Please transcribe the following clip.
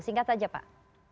singkat saja pak